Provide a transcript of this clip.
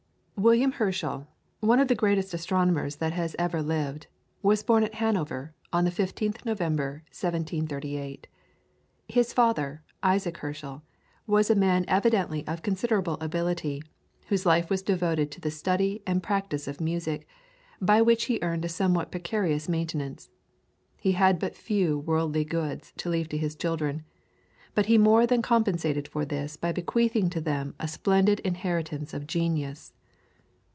William Herschel, one of the greatest astronomers that has ever lived, was born at Hanover, on the 15th November, 1738. His father, Isaac Herschel, was a man evidently of considerable ability, whose life was devoted to the study and practice of music, by which he earned a somewhat precarious maintenance. He had but few worldly goods to leave to his children, but he more than compensated for this by bequeathing to them a splendid inheritance of genius.